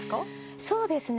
そうですね。